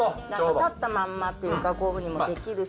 立ったまんまっていうか、こういうふうにもできるし。